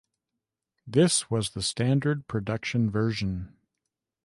This was the standard production version.